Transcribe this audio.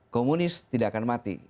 komunis tidak akan mati